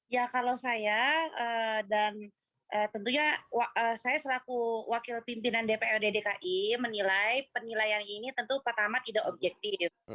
ya kalau saya dan tentunya saya selaku wakil pimpinan dprd dki menilai penilaian ini tentu pertama tidak objektif